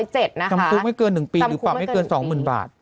จำคุกไม่เกิน๑ปีหรือปรับไม่เกิน๒๐๐๐บาท